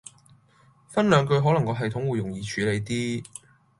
分兩句可能個系統會容易處理啲